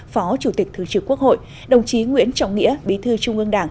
phó chủ tịch thường trực quốc hội đồng chí nguyễn trọng nghĩa bí thư trung ương đảng